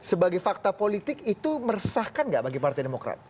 sebagai fakta politik itu meresahkan gak bagi partai demokrat